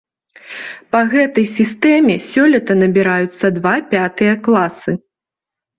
Па гэтай сістэме сёлета набіраюцца два пятыя класы.